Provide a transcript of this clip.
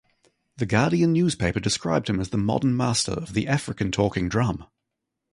The Guardian newspaper described him as the Modern master of the African talking drum.